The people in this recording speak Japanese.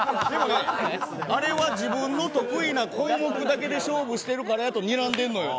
あれは自分の得意な項目だけで勝負してるからやとにらんでるのよ。